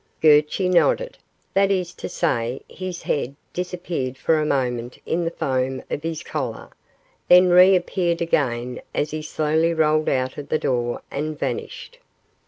Gurchy nodded, that is to say his head disappeared for a moment in the foam of his collar, then re appeared again as he slowly rolled out of the door and vanished.